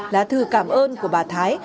là thư cảm ơn của bà thái